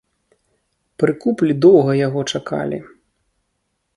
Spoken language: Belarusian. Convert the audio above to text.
Пры куплі доўга яго чакалі.